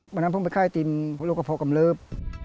วันนั้นผมไปข้าวไอติมโรคกระเพาะกำเลิฟ